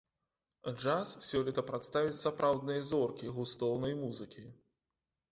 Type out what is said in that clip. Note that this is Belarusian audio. Джаз сёлета прадставяць сапраўдныя зоркі густоўнай музыкі.